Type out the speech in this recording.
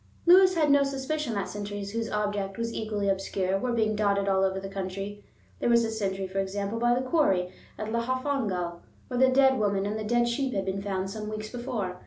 Lewis had no suspicion that sentries whose object was equally obscure were being dotted all over the country. There was a sentry, for example, by the quarry at Llanfihangel, where the dead woman and the dead sheep had been found some weeks before.